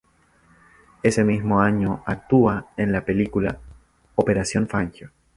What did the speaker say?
Ese mismo año actúa en la película "Operación Fangio".